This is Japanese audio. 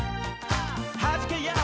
「はじけよう！